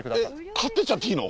刈ってっちゃっていいの？